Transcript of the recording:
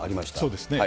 そうですね。